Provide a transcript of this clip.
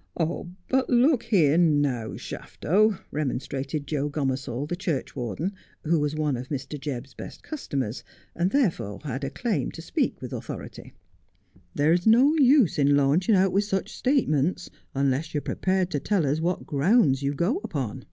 ' But look here now, Shafto,' remonstrated Joe Gomersall, the churchwarden, who was one of Mr. Jebb's best customers, and therefore had a claim to speak with authority. ' There's no use in launching out with such statements unless you are prepared to tell us what grounds you go upon.'